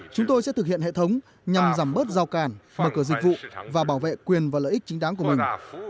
chúng tôi sẽ thực hiện hệ thống nhằm giảm bớt giao càn mở cửa dịch vụ và bảo vệ quyền và lợi ích chính đáng của mình